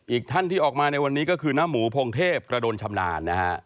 อีกท่านที่ออกมาในวันนี้ก็คือน้าหมูพงเทพกระโดนชำนาญนะฮะ